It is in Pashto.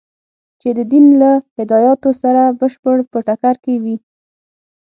چې د دین له هدایاتو سره بشپړ په ټکر کې وي.